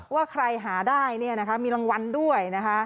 ว่าใครหาได้มีรางวัลด้วยนะคะ